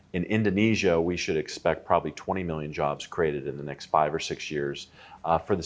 di indonesia kita harus mengharapkan dua puluh juta pekerjaan di dalam lima atau enam tahun yang akan datang